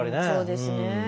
そうですね。